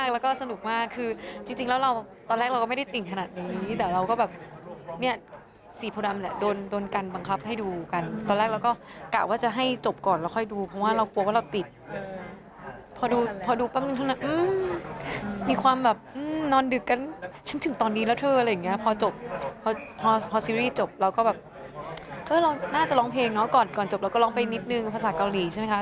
แล้วก็แบบน่าจะร้องเพลงนะก่อนจบเราก็ร้องไปนิดนึงภาษาเกาหลีใช่ไหมคะ